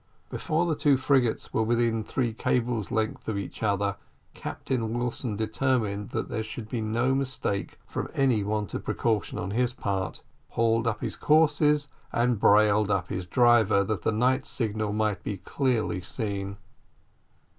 Before the two frigates were within three cables length of each other, Captain Wilson, determined that there should be no mistake from any want of precaution on his part, hauled up his courses and brailed up his driver that the night signal might be clearly seen.